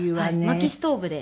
まきストーブで。